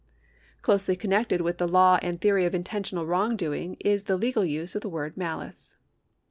Closely connected with the law and theory of intentional wrongdoing is the legal use of the word malice.